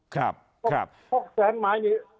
ครับครับ๖แสนหมายนี้